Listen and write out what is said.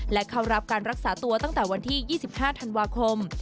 และเข้ารับการรักษาตัวตั้งแต่วันที่๒๕ธันวาคม